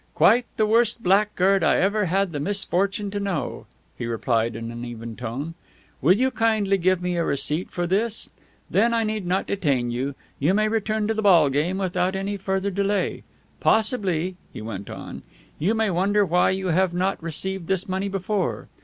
"Quite the worst blackguard I ever had the misfortune to know," he replied in an even tone. "Will you kindly give me a receipt for this? Then I need not detain you. You may return to the ball game without any further delay. Possibly," he went on, "you may wonder why you have not received this money before.